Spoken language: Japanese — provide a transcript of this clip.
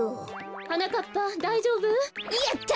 はなかっぱだいじょうぶ？やった！